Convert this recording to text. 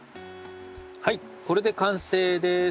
はいこれで完成です。